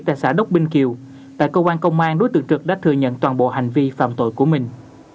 tại xã đốc binh kiều tại cơ quan công an đối tượng trực đã thừa nhận toàn bộ hành vi phạm tội của mình